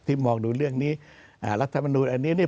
ที่มองดูเรื่องนี้รัฐมนูนอันนี้เนี่ย